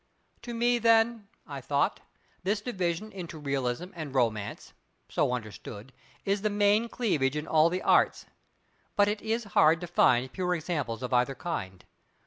To me, then—I thought—this division into Realism and Romance, so understood, is the main cleavage in all the Arts; but it is hard to find pure examples of either kind.